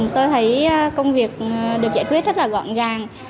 tôi thấy công việc được giải quyết rất là gọn gàng